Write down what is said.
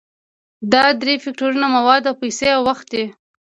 دا درې فکتورونه مواد او پیسې او وخت دي.